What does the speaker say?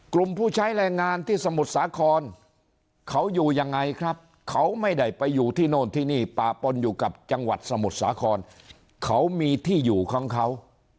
ผู้ใช้แรงงานที่สมุทรสาครเขาอยู่ยังไงครับเขาไม่ได้ไปอยู่ที่โน่นที่นี่ป่าปนอยู่กับจังหวัดสมุทรสาครเขามีที่อยู่ของเขา